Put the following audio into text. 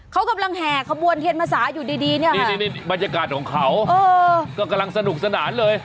เขากำลังแห่ขบวนเทียนพรรษาอยู่ดีเนี่ยบรรยากาศของเขาก็กำลังสนุกสนานเลย